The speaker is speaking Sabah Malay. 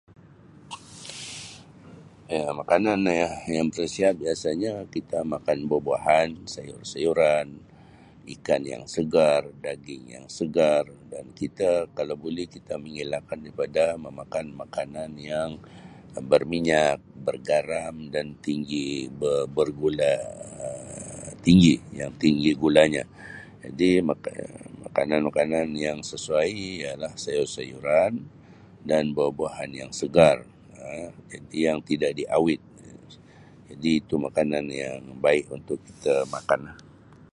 Um Makanan ya-yang khasiat biasanya kita makan buah-buahan, sayur-sayuran, ikan yang segar, daging yang segar dan kita kalau bulih kita mengelakkan daripada memakan makanan yang berminyak, bergaram dan tinggi be-bergula Um tinggi yang tinggi gula nya jadi maka-makanan makanan yang sesuai ialahs ayur-sayuran dan buah-buahan yang segar[Um] yang tidak di awet jadi itu makanan yang baik untuk kita mak.